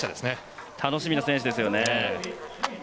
楽しみな選手ですね。